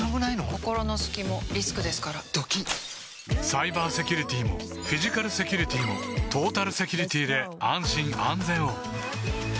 心の隙もリスクですからドキッサイバーセキュリティもフィジカルセキュリティもトータルセキュリティで安心・安全を